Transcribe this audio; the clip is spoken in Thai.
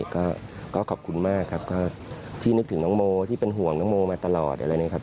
ก็ขอบคุณมากครับก็ที่นึกถึงน้องโมที่เป็นห่วงน้องโมมาตลอดอะไรนะครับ